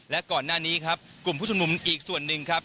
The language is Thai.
และก่อนหน้านี้ครับกลุ่มผู้ชมนุมอีกส่วนหนึ่งครับ